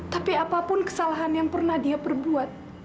tapi apapun kesalahan yang pernah dia berbuat